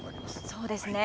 そうですね。